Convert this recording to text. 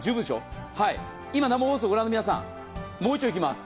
生放送をご覧の皆さんもう一度いきます。